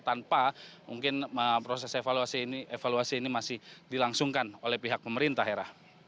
tanpa mungkin proses evaluasi ini masih dilangsungkan oleh pihak pemerintah hera